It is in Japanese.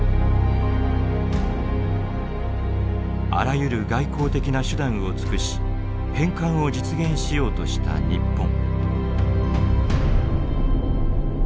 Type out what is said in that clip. あらゆる外交的な手段を尽くし返還を実現しようとした日本。